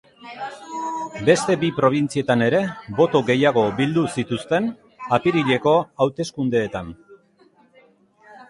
Beste bi probintzietan ere boto gehiago bildu zituzten apirileko hauteskundeetan.